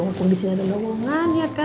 ngomong disini ada bawangan ya kan